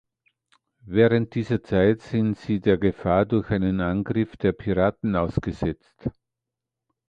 Während dieser Zeit sind sie der Gefahr durch einen Angriff der Piraten ausgesetzt.